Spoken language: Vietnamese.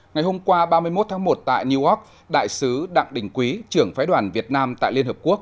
ngày hôm qua ba mươi một tháng một tại newark đại sứ đặng đình quý trưởng phái đoàn việt nam tại liên hợp quốc